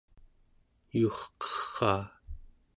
yuurqeraa